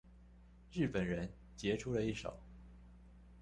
日本人傑出的一手